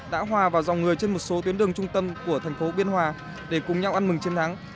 đã hòa vào dòng người trên một số tuyến đường trung tâm của thành phố biên hòa để cùng nhau ăn mừng chiến thắng